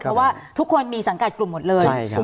เพราะว่าทุกคนมีสังกัดกลุ่มหมดเลย